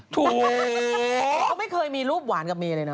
เขาไม่เคยมีรูปหวานกับเมียเลยเนอะ